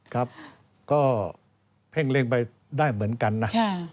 ครับก็เพ่งเล็งไปได้เหมือนกันนะ